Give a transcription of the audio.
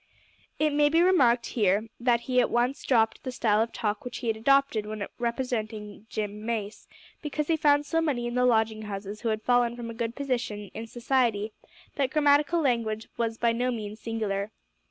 It may be remarked here that he at once dropped the style of talk which he had adopted when representing Jem Mace, because he found so many in the lodging houses who had fallen from a good position in society that grammatical language was by no means singular.